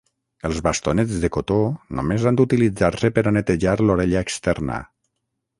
Els bastonets de cotó només han d'utilitzar-se per a netejar l'orella externa.